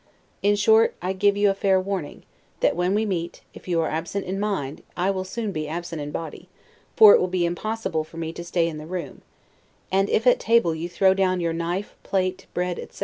In short, I give you fair warning, that, when we meet, if you are absent in mind, I will soon be absent in body; for it will be impossible for me to stay in the room; and if at table you throw down your knife, plate, bread, etc.